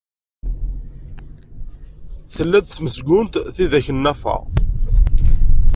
Tella-d tmezgunt tidak n Nna Fa.